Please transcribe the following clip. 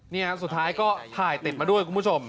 เนี่ยสุดท้ายก็ถ่ายติดมาด้วยคุณผู้ชม